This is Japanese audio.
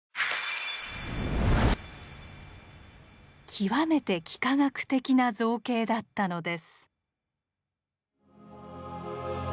極めて幾何学的な造形だったのです。